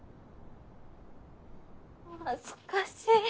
恥ずかしい。